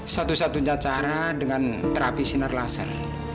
satu satunya cara dengan terapi sinar laser